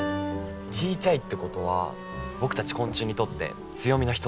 ちいちゃいってことは僕たち昆虫にとって強みの一つです。